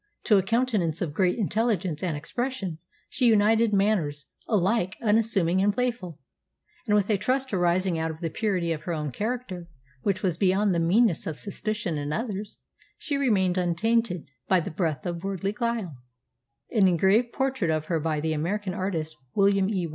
To a countenance of great intelligence and expression, she united manners alike unassuming and playful, and with a trust arising out of the purity of her own character which was beyond the meanness of suspicion in others she remained untainted by the breath of worldly guile." [Sidenote: Rossetti's Notice of Mrs. Hemans. *] "An engraved portrait of her by the American artist William E.